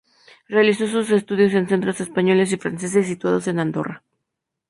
Realizó sus estudios en centros españoles y franceses situados en Andorra.